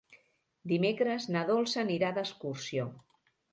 Dimecres na Dolça anirà d'excursió.